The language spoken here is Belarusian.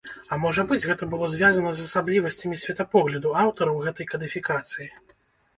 А можа быць, гэта было звязана з асаблівасцямі светапогляду аўтараў гэтай кадыфікацыі.